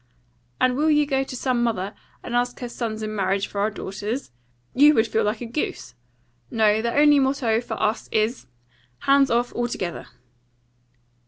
And will you go to some mother, and ask her sons in marriage for our daughters? You would feel like a goose. No; the only motto for us is, Hands off altogether."